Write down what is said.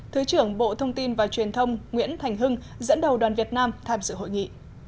thứ trưởng bộ thông tin và truyền thông nguyễn thành hưng dẫn đầu đoàn việt nam tham dự hội nghị